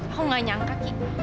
aku gak nyangka ki